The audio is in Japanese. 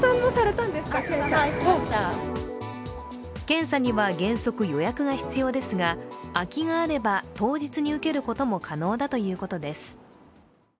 検査には原則、予約が必要ですが空きがあれば当日に受けることも可能だということです。